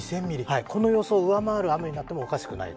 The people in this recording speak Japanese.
この予想を上回る雨になってもおかしくない。